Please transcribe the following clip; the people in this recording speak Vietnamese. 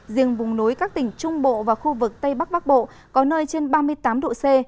riêng vùng núi các tỉnh trung bộ và khu vực tây bắc bắc bộ có nơi trên ba mươi tám độ c